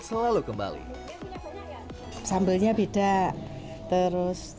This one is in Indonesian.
selalu kembali sambelnya beda terus